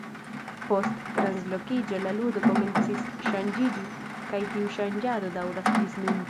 Post translokiĝo la ludo komencis ŝanĝiĝi, kaj tiu ŝanĝado daŭras ĝis nun.